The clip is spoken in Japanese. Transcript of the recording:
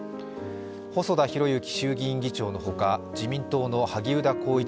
細田博之衆議院議長のほか自民党の萩生田光一